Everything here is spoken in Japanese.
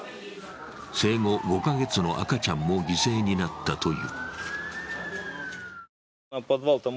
生後５カ月の赤ちゃんも犠牲になったという。